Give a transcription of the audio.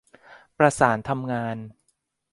ประสานทำงาน